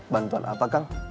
bantuan apa kang